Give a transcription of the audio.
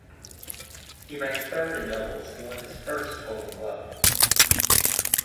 He ranked third in doubles and won his first Golden Glove.